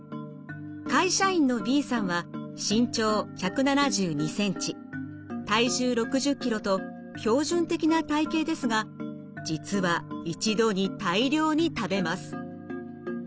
会社員のＢさんは身長１７２ｃｍ体重６０ｋｇと標準的な体型ですが実は一度に大量に食べます。